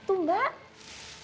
mbak tika mbak mbak mbak